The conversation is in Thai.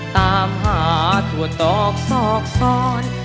ตามหาถั่วตอกซอกซ้อน